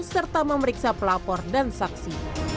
serta memeriksa pelapor dan saksi